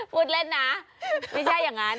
พูดเล่นนะไม่ใช่อย่างนั้น